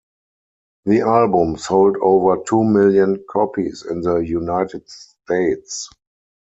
The album sold over two million copies in the United States.